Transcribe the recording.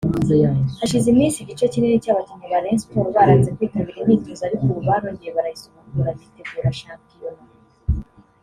Hashize iminsi igice kinini cy’abakinnyi ba Rayon Sport baranze kwitabira imyitozo ariko ubu barongeye barayisubukura bitegura shampiyona